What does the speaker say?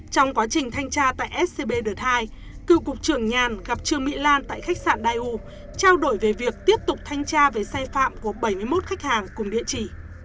trong quá trình thanh tra tại scb đợt hai cựu cục trưởng nhàn gặp trương mỹ lan tại khách sạn daiu trao đổi về việc tiếp tục thanh tra về sai phạm của bảy mươi một khách hàng cùng địa chỉ